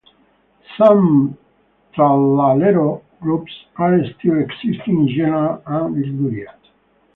Some trallalero groups are still existing in Genoa and Liguria.